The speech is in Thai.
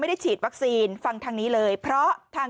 ได้ฉีดวัคซีนฟังทางนี้เลยเพราะทาง